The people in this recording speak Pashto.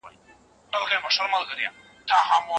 په قران کي د پناه ورکولو په اړه ډير ايتونه راغلي دي.